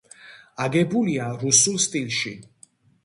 აგებულია რუსულ სტილში.